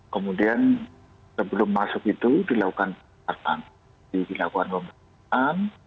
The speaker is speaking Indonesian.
kemudian sebelum masuk itu dilakukan pemeriksaan